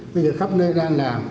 bây giờ khắp nơi đang làm